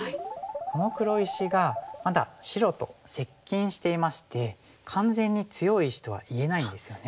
この黒石がまだ白と接近していまして完全に強い石とは言えないんですよね。